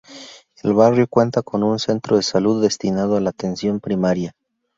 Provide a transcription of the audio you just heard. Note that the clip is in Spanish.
El barrio cuenta con un centro de Salud destinado a la atención primaria.